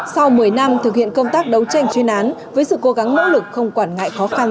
sau một mươi năm thực hiện công tác đấu tranh chuyên án với sự cố gắng nỗ lực không quản ngại khó khăn